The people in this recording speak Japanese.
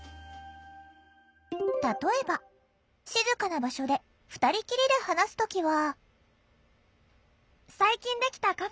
例えば静かな場所で２人きりで話す時は。